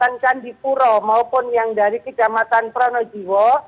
dapatkan di puro maupun yang dari kedamatan pronojiwo